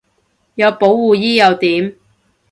有保護衣又點